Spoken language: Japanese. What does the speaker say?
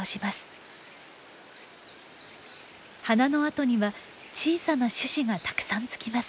花のあとには小さな種子がたくさんつきます。